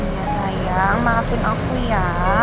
ya sayang maafin aku ya